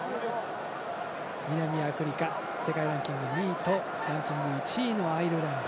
南アフリカ世界ランキング２位と１位のアイルランド。